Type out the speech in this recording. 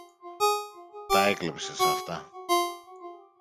Τα έκλεψες αυτά.